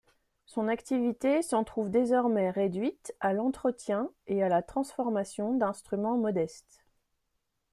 Son activité s'en trouve désormais réduite à l'entretien et à la transformation d'instruments modestes.